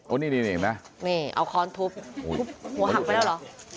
โอ้นี่ดีเลยเองนะนี่เอาคอนทุบทุบหัวหักไปแล้วเหรอ